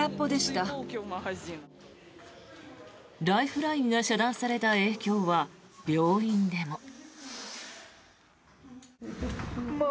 ライフラインが遮断された影響は、病院でも。